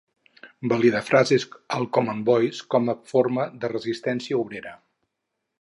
Valida frases al Common Voice com a forma de resistència obrera.